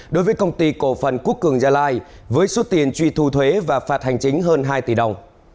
đối với công ty cổ phần quốc cường gia lai với số tiền truy thu thuế và phạt hành chính hơn hai tỷ đồng